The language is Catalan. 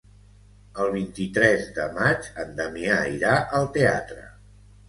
El vint-i-tres de maig en Damià irà al teatre.